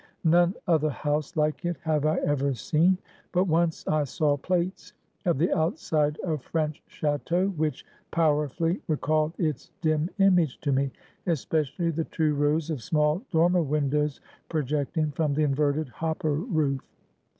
None other house like it have I ever seen. But once I saw plates of the outside of French chateaux which powerfully recalled its dim image to me, especially the two rows of small dormer windows projecting from the inverted hopper roof.